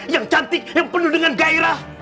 yang cantik yang penuh dengan gairah